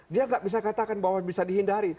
dia nggak bisa katakan bahwa bisa dihindari